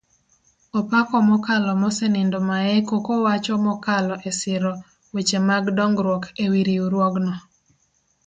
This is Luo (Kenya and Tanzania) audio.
Opako mokalo mosenindo maeko kowacho mokalo esiro weche mag dongruok eriwruogno